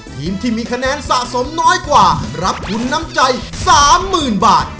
ทีมที่มีคะแนนสะสมน้อยกว่ารับทุนน้ำใจ๓๐๐๐บาท